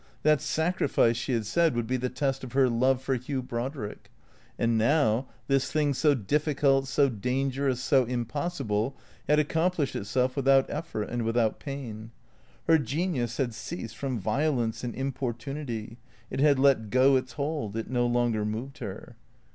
That sacrifice, she had said, would be the test of her love for Hugh Brodrick. And now, this thing so difficult, so dangerous, so impossible, had accomplished itself without effort and without pain. Her genius had ceased from violence and importunity; it had let go its hold; it no longer moved her.